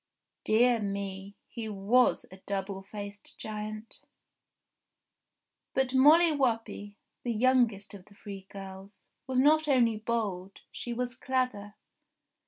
Dear me ! He was a double faced giant ! But Molly Whuppie, the youngest of the three girls, was not only bold, she was clever.